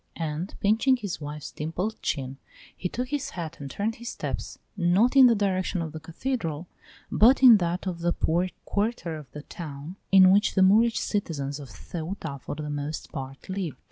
And, pinching his wife's dimpled chin, he took his hat and turned his steps not in the direction of the cathedral, but in that of the poor quarter of the town in which the Moorish citizens of Ceuta for the most part live.